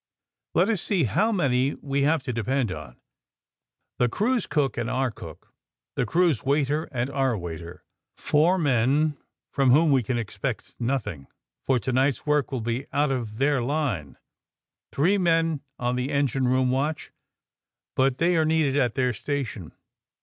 Let us see how many we have to depend on. The crew's cook and our cook, the crew's waiter and our waiter. Four men from whom we can expect nothing, for to night's work will be out of their line. Three men on the engine room watch, but they are needed at their station.